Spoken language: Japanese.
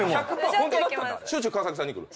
しょっちゅう川崎さんに来る？